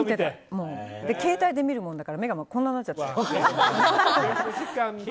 携帯で見るもんだから目がこんなになっちゃって。